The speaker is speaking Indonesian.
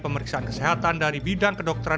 pemeriksaan kesehatan dari bidang kedokteran